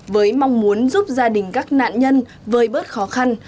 với mong muốn giúp gia đình các nạn nhân vơi bớt khó khăn